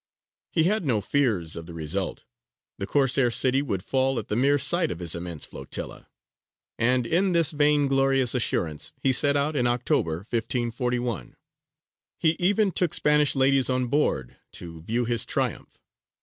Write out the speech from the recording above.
He had no fears of the result; the Corsair city would fall at the mere sight of his immense flotilla; and in this vainglorious assurance he set out in October, 1541. He even took Spanish ladies on board to view his triumph.